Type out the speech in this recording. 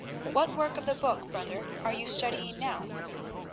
What work of the Book, brother, are you studying now?"